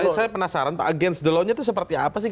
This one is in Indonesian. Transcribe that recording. saya penasaran pak agens the law nya itu seperti apa sih